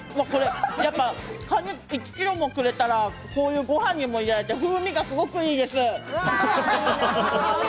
やっぱりカニを１ｋｇもくれたら、こういうご飯にも入れられて、風味がすごくいいです。